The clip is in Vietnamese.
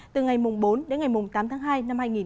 từ ngày bốn đến ngày tám tháng hai năm hai nghìn hai mươi